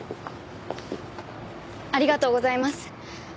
ありがとうございます。